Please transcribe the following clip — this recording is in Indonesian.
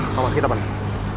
pak amar kita balik